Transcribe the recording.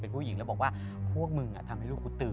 เป็นผู้หญิงแล้วบอกว่าพวกมึงทำให้ลูกกูตื่น